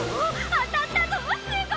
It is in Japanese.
当たったぞ！